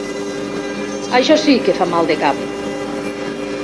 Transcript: Això sí que fa mal de cap.